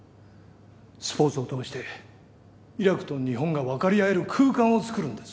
スポーツを通してイラクと日本がわかり合える空間をつくるんです。